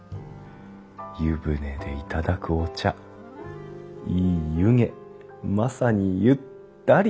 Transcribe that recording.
湯船で頂くお茶いい湯気まさにゆ・ったり。